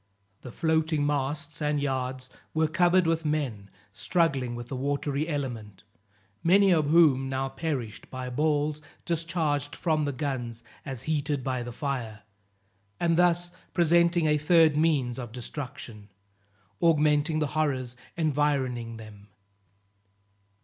The floating masts and yards were covered with men struggling with the watery element, many of whom now perished by balls discharged from the guns as heated by the fire, and thus presenting a third means of destruction, augmenting the horrors environing them.